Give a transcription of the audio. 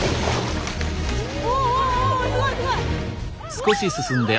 おおおすごいすごい！